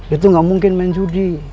itu nggak mungkin main judi